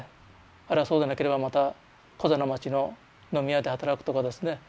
あるいはそうでなければまたコザの街の飲み屋で働くとかですね。